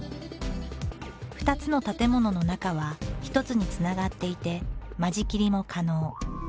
２つの建物の中は１つにつながっていて間仕切りも可能。